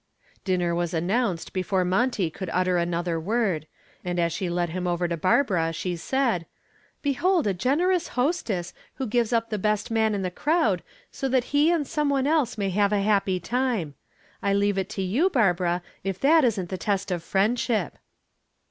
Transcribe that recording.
Dinner was announced before Monty could utter another word, and as she led him over to Barbara she said, "Behold a generous hostess who gives up the best man in the crowd so that he and some one else may have a happy time. I leave it to you, Barbara, if that isn't the test of friendship."